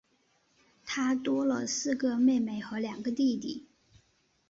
她多了四个妹妹和两个弟弟